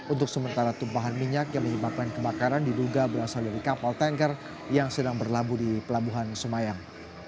untuk sementara tumpahan minyak yang menyebabkan kebakaran diduga berasal dari kapal tanker yang sedang berlabuh di pelabuhan sumayang